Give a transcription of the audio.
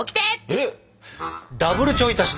えっ？